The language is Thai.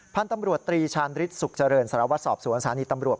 พันธุ์ตำรวจตรีชาญฤทธิสุขเจริญสารวัตรสอบสวนสถานีตำรวจ